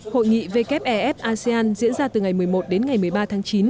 hội nghị wef asean diễn ra từ ngày một mươi một đến ngày một mươi ba tháng chín